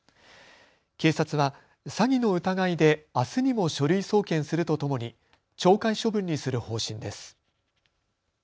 警察は詐欺の疑いであすにも書類送検するとともに懲戒処分にする方針です。